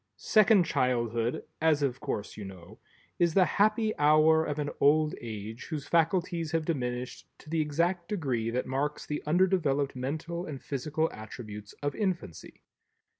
Second Childhood, as of course you know, is the "happy hour" of an old age whose faculties have diminished to the exact degree that marks the undeveloped mental and physical attributes of infancy.